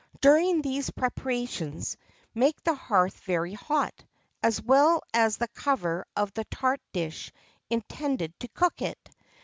During these preparations, make the hearth very hot, as well as the cover of the tart dish intended to cook it.